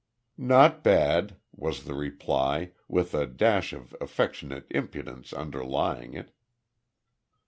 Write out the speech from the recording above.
"Not bad," was the reply, with a dash of affectionate impudence underlying it.